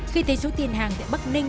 khi thấy số tiền hàng tại bắc ninh